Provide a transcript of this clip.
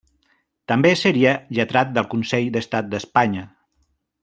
També seria lletrat del Consell d'Estat d'Espanya.